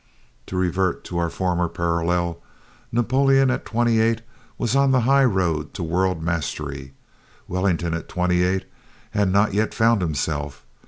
To revert to our former parallel Napoleon at twenty eight was on the high road to world mastery. Wellington at twenty eight had not yet found himself.